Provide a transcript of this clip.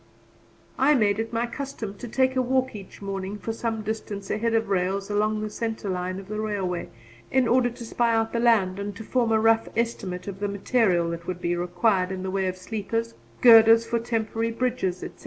I made it my custom to take a walk each morning for some distance ahead of rails along the centre line of the railway, in order to spy out the land and to form a rough estimate of the material that would be required in the way of sleepers, girders for temporary bridges, etc.